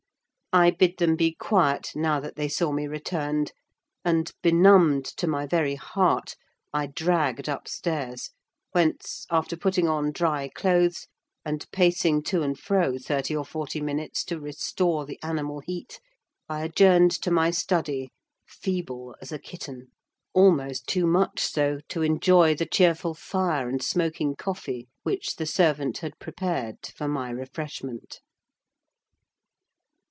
I bid them be quiet, now that they saw me returned, and, benumbed to my very heart, I dragged upstairs; whence, after putting on dry clothes, and pacing to and fro thirty or forty minutes, to restore the animal heat, I adjourned to my study, feeble as a kitten: almost too much so to enjoy the cheerful fire and smoking coffee which the servant had prepared for my refreshment.